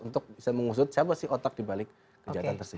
untuk bisa mengusut siapa sih otak dibalik kejahatan tersebut